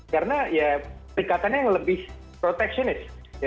karena ya perikatannya yang lebih proteksionis